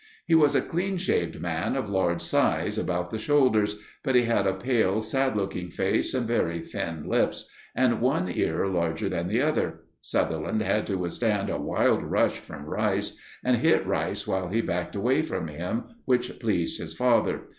He was a clean shaved man of large size about the shoulders; but he had a pale, sad looking face and very thin lips, and one ear larger than the other. Sutherland had to withstand a wild rush from Rice and hit Rice while he backed away from him, which pleased his father.